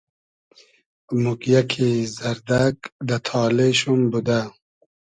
موگیۂ کی زئردئگ دۂ تالې شوم بودۂ